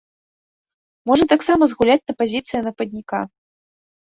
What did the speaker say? Можа таксама згуляць на пазіцыі нападніка.